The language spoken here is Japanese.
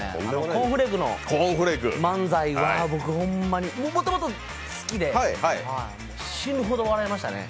「コーンフレーク」の漫才が僕ほんまにもともと好きで、死ぬほど笑いましたね。